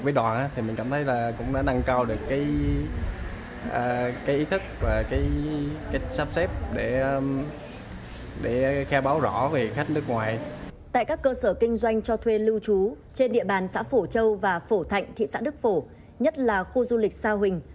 các cơ sở kinh doanh cho thuê lưu trú trên địa bàn xã phổ châu và phổ thạnh thị xã đức phổ nhất là khu du lịch sao hình